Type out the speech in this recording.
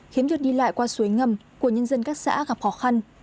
khiếm được đi lại qua suối ngầm của nhân dân các xã gặp khó khăn